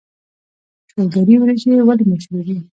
شولګرې وريجې ولې مشهورې دي؟